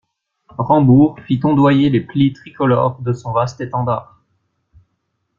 Rambourg fit ondoyer les plis tricolores de son vaste étendard.